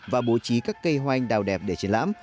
và bố trí các cây hoa anh đào đẹp để triển lãm